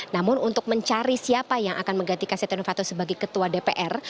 namun untuk mencari siapa yang akan menggantikan setia novanto sebagai ketua dpr